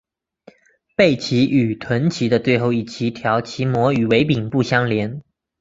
背鳍与臀鳍的最后一鳍条鳍膜与尾柄不相连。